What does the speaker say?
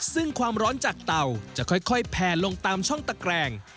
ซึ่งความร้อนจากเต่าจะค่อยแพลลงตามช่องตะแกรง